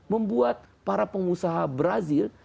membuat para pengusaha brazil